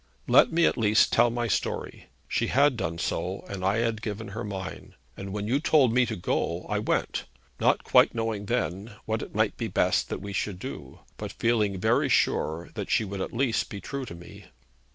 'Let me at least tell my story. She had done so, and I had given her mine; and when you told me to go, I went, not quite knowing then what it might be best that we should do, but feeling very sure that she would at least be true to me.'